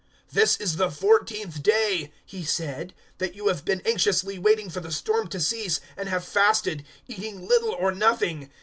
"This is the fourteenth day," he said, "that you have been anxiously waiting for the storm to cease, and have fasted, eating little or nothing.